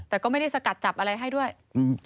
แต่ก็ไม่ได้สกัดจับอะไรให้ด้วยอืม